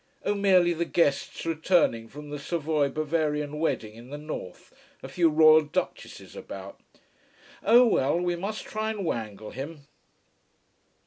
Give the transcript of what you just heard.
Oh, merely the guests returning from that Savoy Bavarian wedding in the north, a few royal Duchesses about. Oh well, we must try and wangle him."